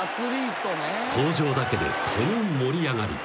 ［登場だけでこの盛り上がり］